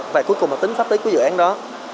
và cuối cùng là tính pháp lý của dự án đó